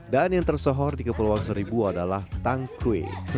dan yang tersohor di kepulauan seribu adalah tangkwe